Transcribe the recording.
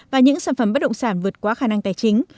và những sản phẩm bất động sản vượt qua khả năng tài chính